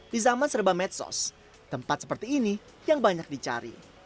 di zaman serba medsos tempat seperti ini yang banyak dicari